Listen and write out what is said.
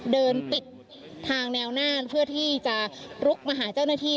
เดินปิดทางแนวน่านเพื่อที่จะลุกมาหาเจ้าหน้าที่